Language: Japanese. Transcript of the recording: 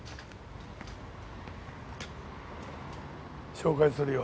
紹介するよ。